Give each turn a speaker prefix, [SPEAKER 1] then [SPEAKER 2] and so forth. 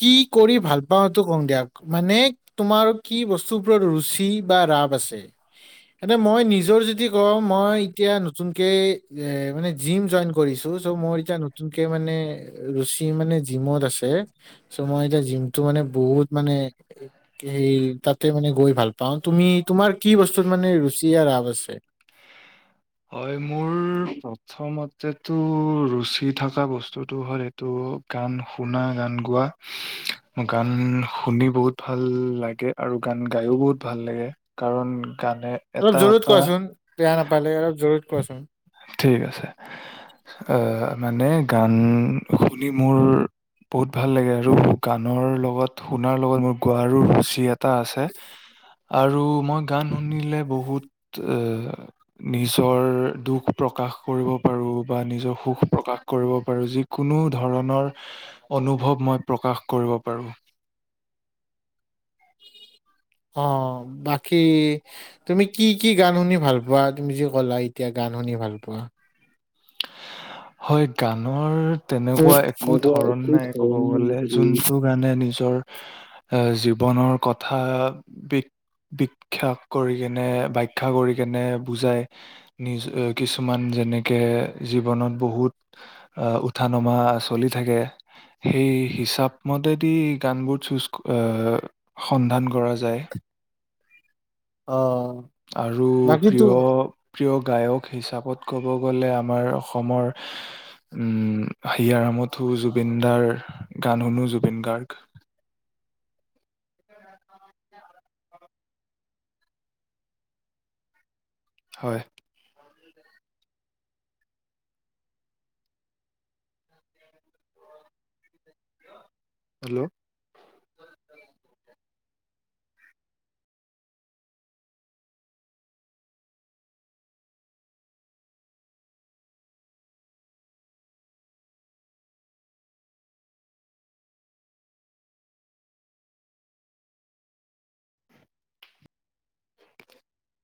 [SPEAKER 1] কি কৰি ভাল পাওটো কওঁ দিয়ক মানে তোমাৰ কি বস্তু ওপৰত ৰুচি বা ৰাপ আছে স মই নিজৰ যদি ক মই এতিয়া নতুন কে এ মানে জিম জইন কৰিছো চ' মোৰ এতিয়া নতুনকে মানে ৰুচি মানে জিমত আছে মই এতিয়া জিমটো মানে বহুত মানে স তাতে মানে গৈ ভাল পাওঁ তুমি তোমাৰ কি বস্তুত মানে ৰুচি আৰু ৰাভ আছে
[SPEAKER 2] প্ৰথমতেটো ৰুচি থকা বস্তুটো হ'ল এইটো গান শুনা গান গোৱা গান শুনি বহুত ভাল লাগে আৰু গান গাই ও বহুত ভাল লাগে কাৰণ গানে
[SPEAKER 1] অলপ
[SPEAKER 2] এটা
[SPEAKER 1] জোৰত
[SPEAKER 2] এটা
[SPEAKER 1] কোৱাচোন বেয়া নাপালে অলপ জোৰত কোৱাচোন
[SPEAKER 2] ঠিক আছে মানে গান শুনি মোৰ বহুত ভাল লাগে আৰু গানৰ লগত শুনাৰ লগত মোৰ গোৱাৰো ৰুচি এটা আছে। আৰু মই গান শুনিলে বহুত নিজৰ দুখ প্ৰকাশ কৰিব পাৰো বা নিজৰ সুখ প্ৰকাশ কৰিব পাৰোঁ যিকোনো ধৰণৰ অনুভৱ মই প্ৰকাশ কৰিব পাৰোঁ।
[SPEAKER 1] অ বাকী তুমি কি কি গান শুনি ভাল পোৱা তুমি যে কলা এতিয়া গান শুনি ভাল পোৱা
[SPEAKER 2] হয় গানৰ। তেনেকুৱা একো
[SPEAKER 1] মই কোৱা
[SPEAKER 2] ধৰণ
[SPEAKER 1] একো
[SPEAKER 2] নাই ক'ব
[SPEAKER 1] ধৰণৰ
[SPEAKER 2] গলে যোনটো গানে নিজৰ জীৱনৰ কথা বি বিখ্যা কৰিকেনে বাখ্যা কৰিকেনে বুজায় নিজ কিছুমান যেনেকৈ জীৱনত বহুত উঠা নমা চলি থাকে সেই হিচাপমতেদি গানবোৰ চুজ সন্ধান কৰা যায়।
[SPEAKER 1] অ
[SPEAKER 2] আৰু
[SPEAKER 1] বাকী তো
[SPEAKER 2] প্ৰিয়-প্ৰিয় গায়ক হিচাপত ক'ব গ'লে আমাৰ অসমৰ, উ হিয়াৰ হামঠো জুবিনদাৰ গান শুনো জুবিন গাৰ্গ। হয়। হেল্ল' [inaudible]